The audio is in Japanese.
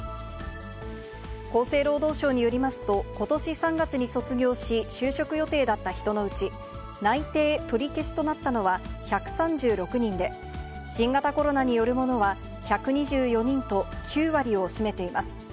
厚生労働省によりますと、ことし３月に卒業し、就職予定だった人のうち、内定取り消しとなったのは１３６人で、新型コロナによるものは１２４人と９割を占めています。